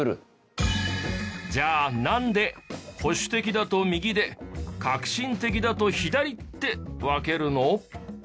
じゃあなんで保守的だと右で革新的だと左って分けるの？